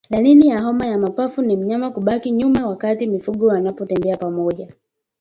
Dalili ya homa ya mapafu ni mnyama kubaki nyuma wakati mifugo wanapotembea pamoja